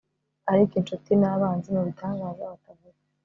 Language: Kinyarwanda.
Ariko inshuti nabanzi mubitangaza batavuga